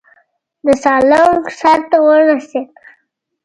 د سالنګ سر ته ورسېدو.